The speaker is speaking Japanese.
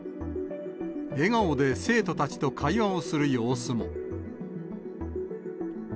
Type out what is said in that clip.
笑顔で生徒たちと会話をする様子も。